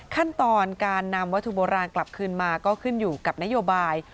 ขั้นตอนการนำวัตถุโบราณกลับคืนมาก็ขึ้นอยู่กับนโยบาย